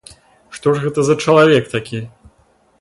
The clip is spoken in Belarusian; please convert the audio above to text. Што ж гэта за чалавек такі?